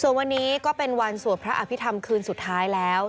ส่วนวันนี้ก็เป็นวันสวดพระอภิษฐรรมคืนสุดท้ายแล้ว